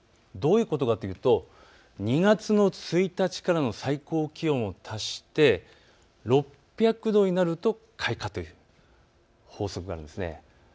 どういうことかといいますと２月の１日からの最高気温を足して６００度になると開花という法則があるんです。